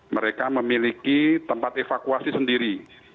mereka memiliki tempat evakuasi sendiri